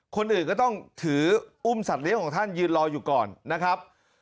คนอื่นก็ต้องถืออุ้มสัตว์เลี้ยงของท่านยืนรออยู่ก่อนนะครับ